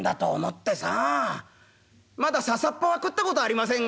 まだ笹っ葉は食った事ありませんが」。